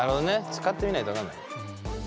使ってみないと分かんないもんね。